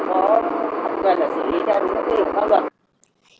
có quyền để xử lý theo những quy định pháp luật